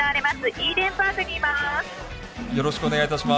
イーデンパークにいます！